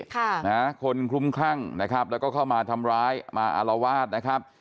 ค่ะนะคนคลุ้มคลั่งนะครับแล้วก็เข้ามาทำร้ายมาอารวาสนะครับ